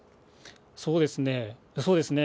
そうですね。